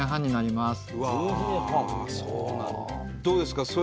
どうですか？